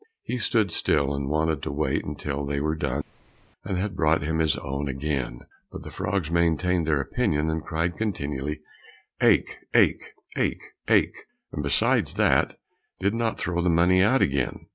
He stood still and wanted to wait until they were done and had brought him his own again, but the frogs maintained their opinion and cried continually, "aik, aik, aik, aik," and besides that, did not throw the money out again.